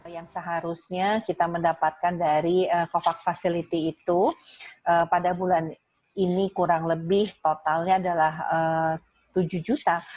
yang seharusnya kita mendapatkan dari covax facility itu pada bulan ini kurang lebih totalnya adalah tujuh juta